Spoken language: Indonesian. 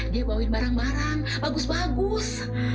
dia bawain barang barang bagus bagus